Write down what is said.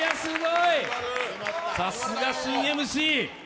さすが新ＭＣ。